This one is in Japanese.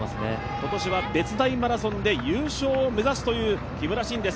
今年は別大マラソンで優勝を目指すという木村慎です。